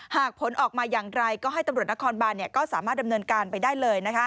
ผลออกมาอย่างไรก็ให้ตำรวจนครบานก็สามารถดำเนินการไปได้เลย